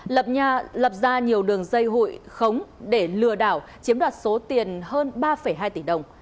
lập nhà lập ra nhiều đường dây hụi khống để lừa đảo chiếm đoạt số tiền hơn ba hai tỷ đồng